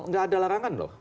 tidak ada larangan loh